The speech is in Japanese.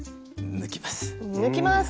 抜きます。